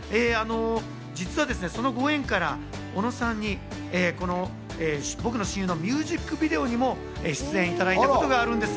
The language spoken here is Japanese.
実はですね、そのご縁から尾野さんに僕の親友のミュージックビデオにも出演いただいたことがあるんです。